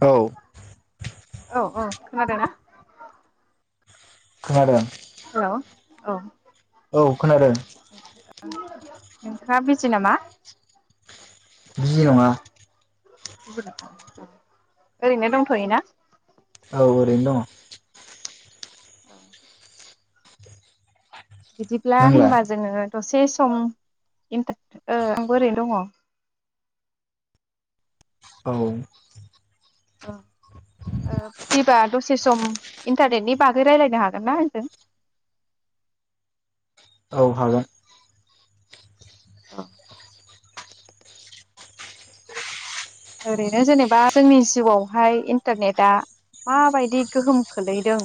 औ औ औ खोनादोना खोनादों हेलौ औ औ खोनादों नोंथाङा बिजि नामा बिजि नङा ओरैनो दंथयो ना औ ओरैनो दङ। औ बिदिब्ला दङ नोंलाय होनबा जोङो दसे सम इनटा ओ आंबो ओरैनो दङ। औ ओ ओ फैबा दसे सम इन्टारनेटनि बागै रायलायनो हागोन ना आंजों? औ हागोन। अह ओरैनो जेनेबा जोंनि जिउआवहाय इन्टारनेटआ माबायदि गोहोम खोलैदों?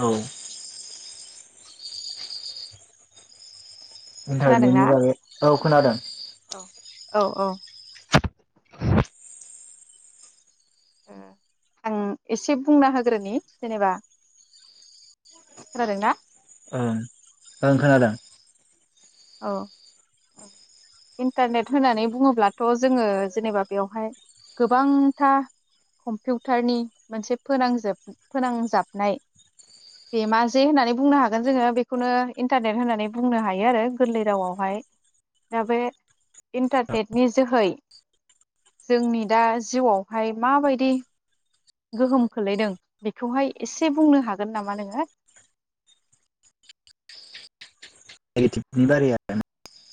औ। खोनादोंना इन्टारनेटनि बागै औ खोनादों। औ औ औ। ओ आं एसे बुंना होग्रोनि जेनेबा खोनादोंना? ओ ओं खोनादों। औ इन्टारनेट होननानै बुङोब्लाथ' जोङो जेनेबा बेवहाय गोबांथा कम्पिउटारनि मोनसे फोनांजोब फोनांजाबनाय बे मा जे होननानै बुंनो हागोन जोङो बेखौनो इन्टारनेट होननानै बुंनो हायो आरो। गोरलै रावआवहाय दा बे इन्टारनेटनि जोहै जोंनि दा जिउआवहाय माबायदि? गोहोम खोलैदों बेखौहाय एसे बुंनो हागोन नामा नोङो? [unintelligible]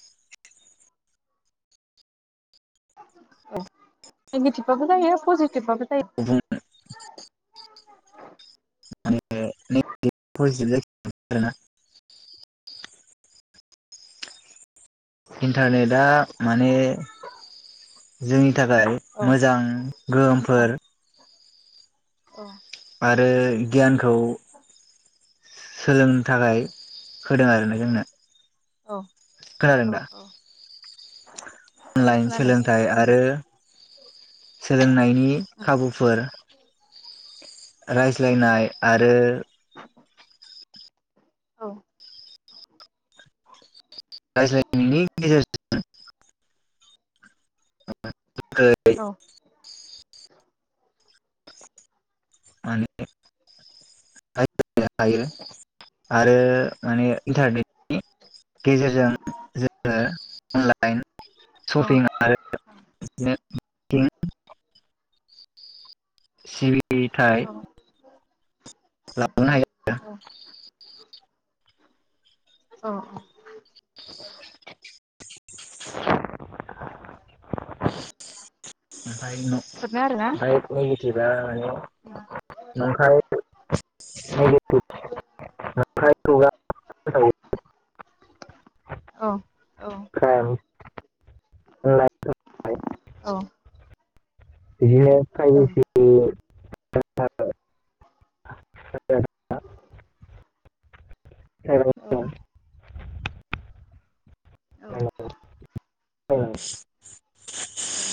अह नेगेटिबबाबो जायो पजिटिभ थिभबाबो जायो। [unintelligible] आरोना। इन्टारनेटआ माने जोंनि थाखाय औ मोजां गोहोमफोर अह। आरो गियानखौ सोलोंनो थाखाय होदों आरो ना जोंनो। औ खोनादों दा औ औ। औ अनलाइन खोनादों सोलोंथाइ आरो सोलोंनायनि औ खाबुफोर। औ रायज्लायनाय आरो औ। रायज्लायनायनि गेजेरजों [unintelligible] औ [unintelligible] माने [unintelligible] हायो आरो माने इन्टारनेटनि गेजेरजों जोङो अनलाइन औ सपिं आरो बिदिनो [unintelligible] सिरि थाइ औ औ [unintelligible] औ औ [inaudible] हरनो आरोना ओमफ्राय [unintelligible] औ [inaudible] [unintelligible] औ औ क्राइम अनलाइन औ बिदिनो [unintelligible] [unintelligible] औ औ औ औ